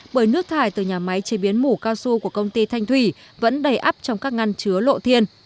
bởi nước thải từ nhà máy chế biến mủ cao su của công ty thanh thủy vẫn đầy ấp trong các ngăn chứa lộ thiên